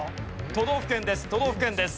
都道府県です。